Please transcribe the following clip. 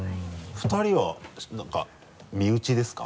２人はなんか身内ですか？